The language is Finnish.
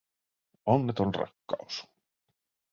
Onneton rakkaus.